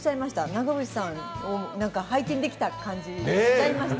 長渕さんを拝見できた感じがしちゃいました。